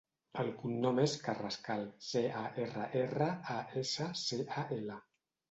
El cognom és Carrascal: ce, a, erra, erra, a, essa, ce, a, ela.